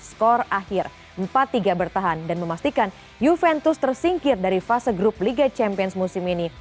skor akhir empat tiga bertahan dan memastikan juventus tersingkir dari fase grup liga champions musim ini